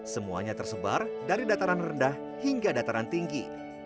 semuanya tersebar dari dataran rendah hingga dataran tinggi